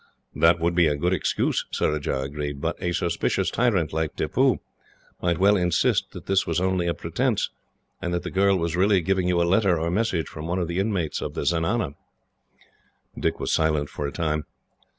"That would be a good excuse," Surajah agreed. "But a suspicious tyrant, like Tippoo, might well insist that this was only a pretence, and that the girl was really giving you a letter or message from one of the inmates of the zenana." Dick was silent for a time.